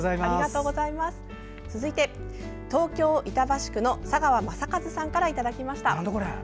続いて東京都板橋区の佐川正一さんからいただきました。